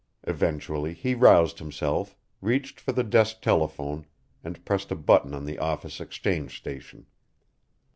Eventually he roused himself, reached for the desk telephone, and pressed a button on the office exchange station.